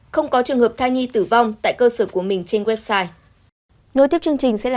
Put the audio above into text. không có trường hợp thai nhi tử vong tại cơ sở của mình trên website